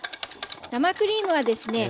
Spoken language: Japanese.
生クリームはですね